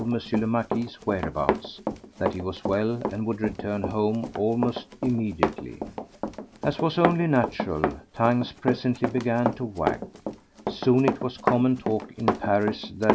le Marquis's whereabouts, that he was well and would return home almost immediately. As was only natural, tongues presently began to wag. Soon it was common talk in Paris that M.